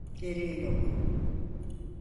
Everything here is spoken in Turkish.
Gereği yok.